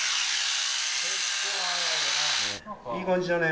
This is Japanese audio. いい感じだね。